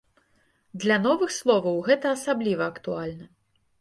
Для новых словаў гэта асабліва актуальна.